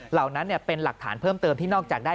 เหล่านั้นเป็นหลักฐานเพิ่มเติมที่นอกจากได้